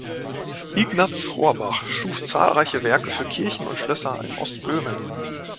Ignaz Rohrbach schuf zahlreiche Werke für Kirchen und Schlösser in Ostböhmen.